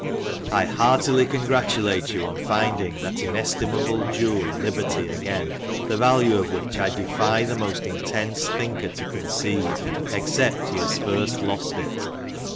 " I heartily congratulate you on finding that inestimable jewel liberty again ; the value of which I defy the most intense thinker to conceive, except he has first lost it.